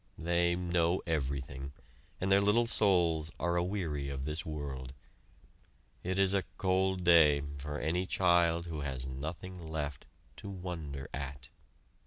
They know everything, and their little souls are a weary of this world. It is a cold day for any child who has nothing left to wonder at.